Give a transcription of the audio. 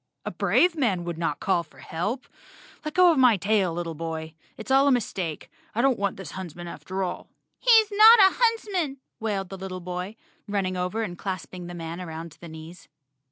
"A brave man would not call for help. Let go of my tail, little boy. It's all a mistake. I don't want this huntsman after all." "He's not a huntsman," wailed the little boy, running over and clasping the man around the knees.